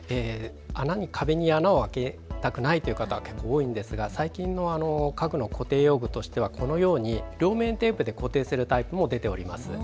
壁に穴を開けたくないという方は結構多いんですが最近の家具の固定用具としてはこのように両面テープで固定するタイプも出ております。